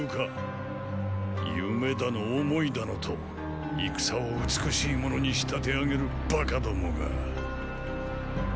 “夢”だの“想い”だのと戦を美しいものに仕立て上げるバカ共が。